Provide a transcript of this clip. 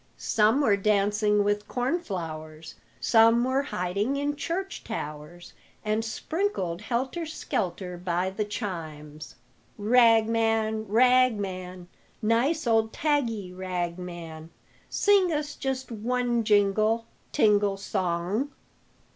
"Some were dancing with corn flowers, Some were hiding in church towers, And sprinkled helter skelter by the chimes." "Rag man, rag man, Nice old taggy rag man, Sing us just one jingle, tingle song."